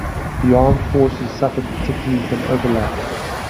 The armed forces suffered particularly from overlap.